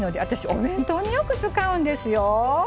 お弁当によく使うんですよ。